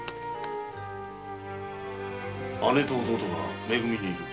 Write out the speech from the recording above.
姉と弟が「め組」にいる。